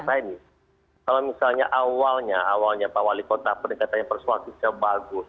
kalau misalnya awalnya awalnya pak wali kota pernah katanya persuasifnya bagus